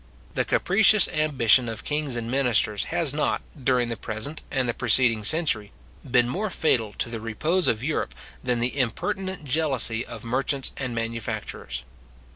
The capricious ambition of kings and ministers has not, during the present and the preceding century, been more fatal to the repose of Europe, than the impertinent jealousy of merchants and manufacturers.